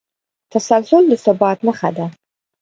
تسلسل د ثبات نښه ده.